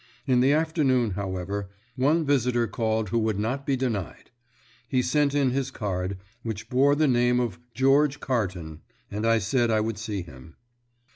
In the afternoon, however, one visitor called who would not be denied. He sent in his card, which bore the name of George Carton, and I said I would see him.